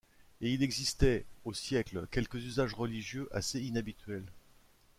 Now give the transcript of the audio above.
Et il y existait, au siècle, quelques usages religieux assez inhabituels.